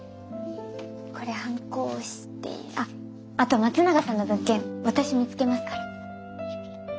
これ判子押してあっあと松永さんの物件私見つけますから。